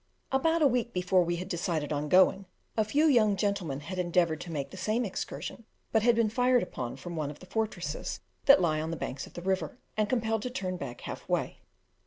About a week before we had decided on going, a few young gentlemen had endeavoured to make the same excursion, but had been fired upon from one of the fortresses that lie on the banks of the river, and compelled to turn back half way.